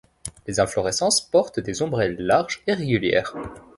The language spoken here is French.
Les inflorescences portent des ombelles larges et régulières.